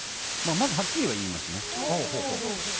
はっきりは言いますね。